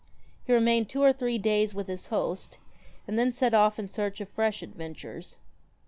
He remained two or three days with his host, and then set off in search of fresh adventures.